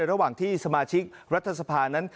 ระหว่างที่สมาชิกรัฐสภานั้น